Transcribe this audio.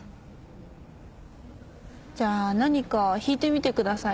じゃあ何か弾いてみてください。